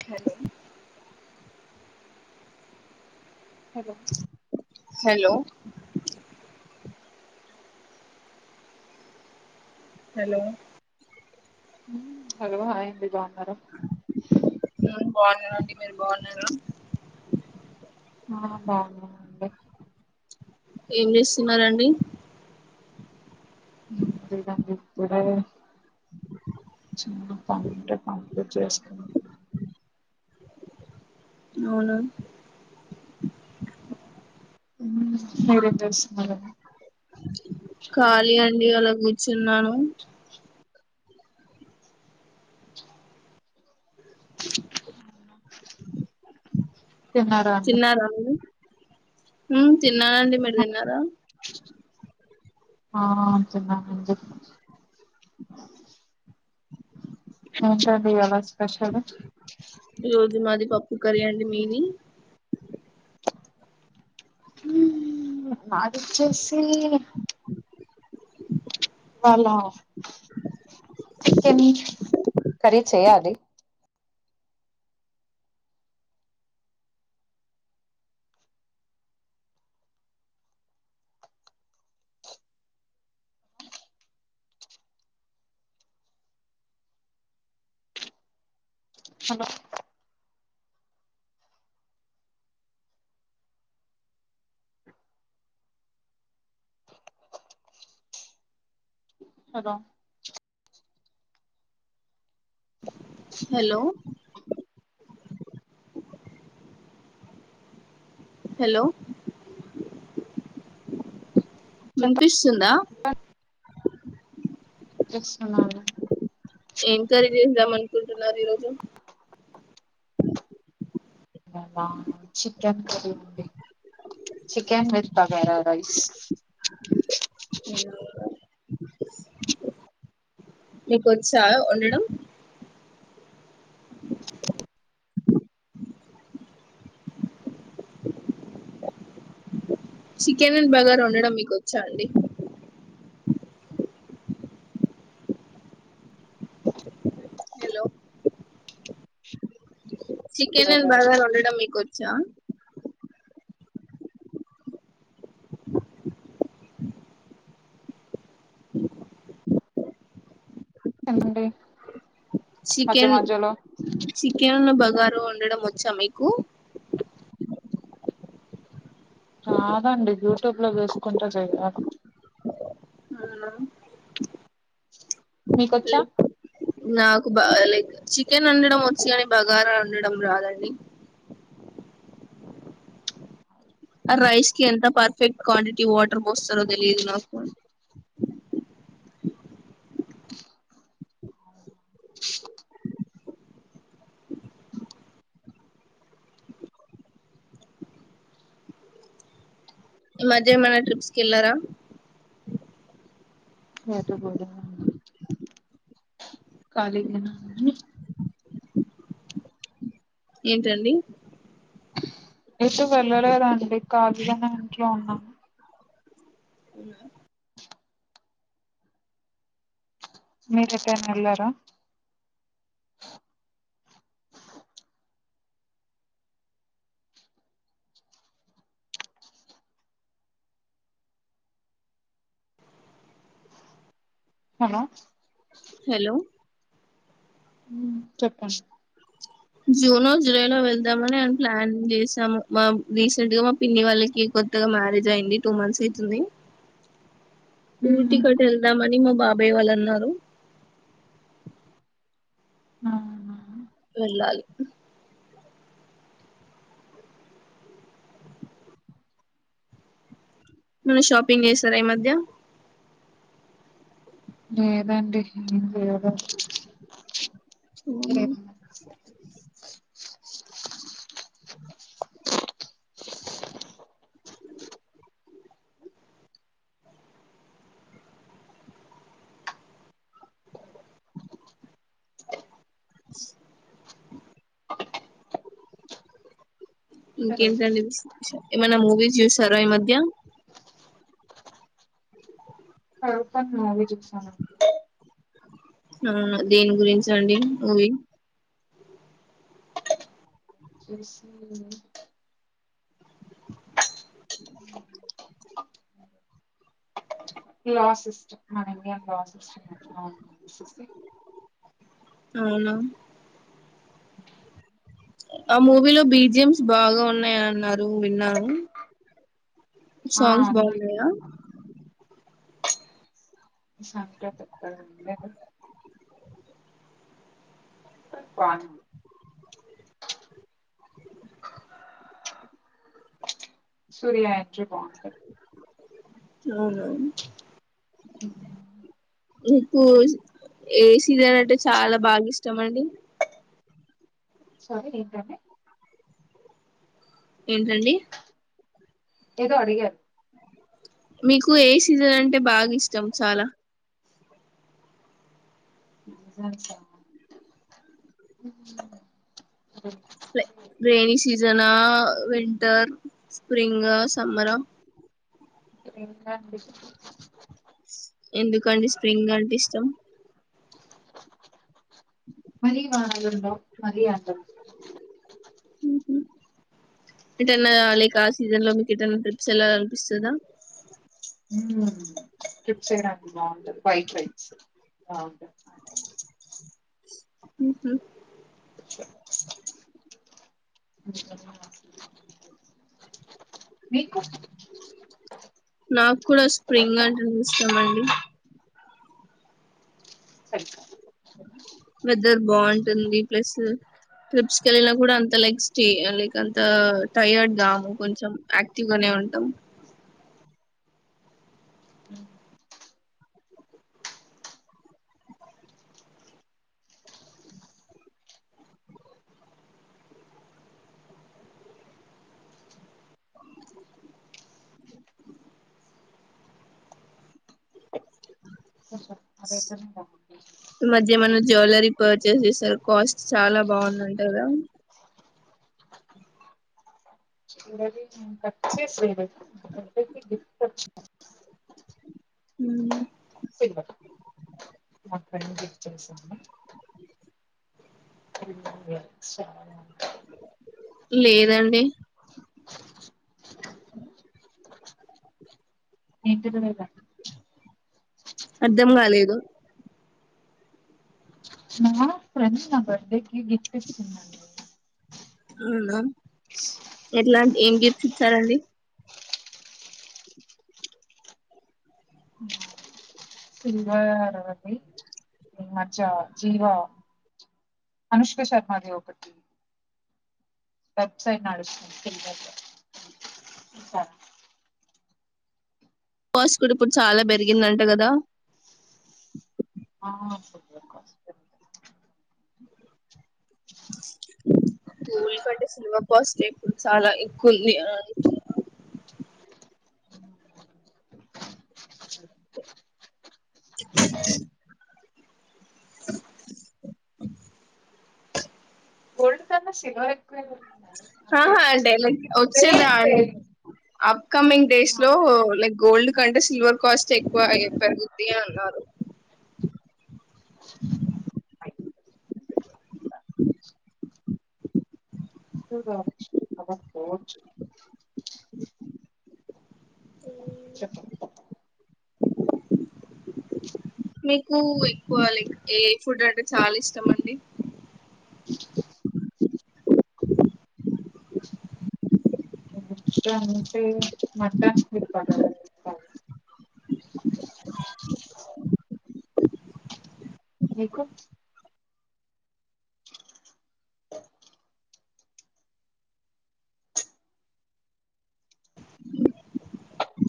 టని hello hello hello hello hi అండి బాగున్నారు బాగున్నానండి మీరు బాగున్నారా ఆ బాగున్నామండి ఏం చేస్తున్నండి ఏం లేదండి ఇప్పుడే చానా పని ఉంటే పని చేసుకుంటున్నా అవునా ఉమ్ మీరేం చేస్తున్నారండి ఖళీ అండి అలా కూర్చున్నాను తిన్నారా అండి ఉమ్ తినండి మీరు తిన్నారా ఆ తిన్నానండి [unintelligible] రోజు మాది పప్పు కరీ అండి మీది నాదిచ్చేసి ఇవాళ చికెన్ కర్రీ చెయ్యాలి hello hello hello hello chapati వినిపిస్తుందా చేస్తున్నాను ఏం కర్రీ చేద్దాం అనుకుంటున్నారు మరి ఈ రోజు నేనా చికెన్ కర్రీ అండి చికెన్ విత్ బాగారా రైస్ మీకు వచ్చా వండడం చికెన్ అండ్ బాగారా వండడం మీకు వచ్చా అండి హలో చికెన్ అండ్ బాగారా వండడం మీకు వచ్చా ఎంతంట చికెన్ చికెనున్ను బగార వండడం వచ్చా మీకు రాదండి యూట్యూబ్ లో చసుకుంటే చేయాల అవునా మీకొచ్చా లైక్ నాకు బ లైక్ చికెన్ వండడం వచ్చ కాని బగారా వండడం రాదండి ఆ రైస్ కి ఎంత పర్ఫెక్ట్ క్వాంటిటీ వాటర్ పోస్తారో తెలియదు నాకు ఈ మధ్య ఏమైనా ట్రిప్స్కిిళ్ళారా ఏటు పోలే కాలిగేనా ఏంటండి ఎటు వెళ్ళలేదండి కాలిగనే ఇంట్లో ఉన్నాము మీరెటైనా ఎళ్లారా హలో హలో ఉం చెప్పం అ జూన్ జులై లో వెళ్దామనిే ప్లాన్ చేసాము మా రీసెంట్ గా మా పిన్ని వాళ్ళకి కొత్తగా మ్యారేజ్ అయింది టూ మంత్స్ అయితుంది ఊటీ మ్మ్ కట్ ఎళ్దాంమని మా బాబాయ్ వాళ్ళు అన్నారు ఔనా వెళ్ళాలి నువ్ షాపింగ్ చేస్తారా ఈ మధ్య లేేదండి ఎం చేయలే అవునా ఏమన్న హలో ఇంకేంటండి విశేషా ఏమన్న మూవీస్ చూసర ఈ మధ్య కరువ్ పన విజట్స్న అవునా దేని గురించండి మూవీ చేసి లాస్ ఇస్ట్ మనకెం లాస్ ఇస్ట్ అవునా ఆ మూవీలో బీజిఎమ్స్ బాగా ఉన్నాయన్నారు విన్నాను ఆ సాంగ్స్ బాగున్నాయా సండే తేత్తాడో లేదో పర్ ప్లానింగ్ సూర్య యాక్టర్ బాగుంటాడు అవును ఉ నీకు ఏ సీరియల్ అంటే చాలా బాగా ఇష్టం అండి షాపింగ్ ఏంకాలే ఏంటండి ఏదో అడిగారు మీకు ఏ సీజన్ అంటే బాగిష్టం చాలా సెల్సు రైనీ సీసన్ జనా వింటర్ స్ప్రింగ్ సమ్మర్ స్ప్రింగ్ అంటే ఇష్టం ఎందుకండి స్ప్రింగ్ అంటే ఇష్టం మలి వానగండో మలియాగ ఉ ఎదన్నా లైక్ ఆ సీజన్ లో మీకు ఎటన ట్రిప్స్ ఎల్లాలి కనిపిస్తుందా హ ట్రిప్స్ చేయడానికి బాగుంది వైట్ రైట్స్ బాగు ఉహు మీకు నాకు కూడా స్ప్రింగ్ అంటేనే ఇష్టమండి ఐయ్ ఉంటూదీ ప్లస్ ట్రిప్స్ కీ వెళ్ళినా కూడా అంత లైక్ స్టే లైక్ అంత టైర్డ్గాము కొంచెం యాక్టివ్ గానే ఉంటాం ఉ అదేతేనే బాగుంటుంది ఈ మధ్య ఏమన్నా జ్యువెలరీ పర్చేస్ చేస్తారు కాస్ట్ చాలా బాగుందంట కదా [unintelligible] గిఫ్ట్ వచ్చిందండి ఉ [unintelligible] లేదండి ఏంటదిమీద అర్ధం కాలేదు మొన్న ఫ్రెండ్స్ నా బర్త్డే కి గిఫ్ట్ ఇస్తుందిండి అవునా ఎట్లాంటి ఏం గీప్స్ ఇచ్చారండి ఈమధ్య జీవ అనుష్క శర్మాదీ ఓకటి వెబ్సైడ్ నడుస్తు [unintelligible] కాస్ట్ కూడా ఇప్పుడు చాలా పెరిగిందంట కదా ఆ కొద్దిగా కాస్ట్ పెరిగింది గోల్డ్ కంటే సిల్వర్ కాస్ట్ చాలా ఎక్కువగా ఉంది అంటున్నారు గోల్డ్ కన్నా సిల్వర్ ఎక్కువే దొరుకుతుంది ఆహా అంటే వచ్చేదా రేట్ అ పెరిగి అప్కమింగ్ డేస్ లో లైక్ గోల్డ్ అంటే సిల్వర్ కాస్ట్ ఎక్కువ అ పెరుగుది అన్ని అన్నారు రావచ్చు అబ పోచ్చ చెప్పం మీకు ఎక్కువ లైక్ ఏ ఫుడ్ అంటే చాలా ఇష్టం అండి అ మటన్ విప్ప మీకు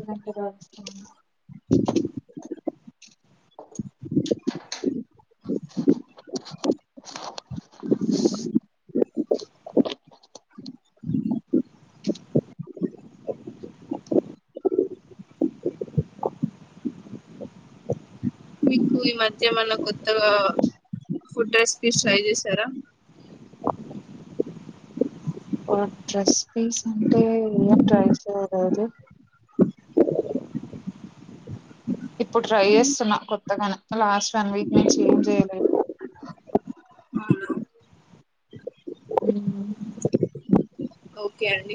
ఇలాంట మికు ఈ మధ్య ఏమన కొత్తగా ఫుడ్ రెసిపీస్ ట్రై చేశారా డ్రెస్ పీస్ అంటే ఏం ట్రై చేయలేదు ఇప్పుడు ట్రై చేస్తున్నా కొత్తగాను లాస్ట్ వన్ వీక్ నుంచి ఏం చేయలేదు ఉ ఓకే అండి